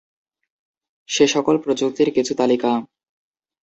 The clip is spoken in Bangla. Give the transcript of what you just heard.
সেসকল প্রযুক্তির কিছু তালিকা